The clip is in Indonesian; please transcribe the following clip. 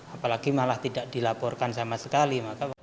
apalagi malah tidak dilaporkan sama sekali